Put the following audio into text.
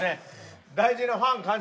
大事なファン感謝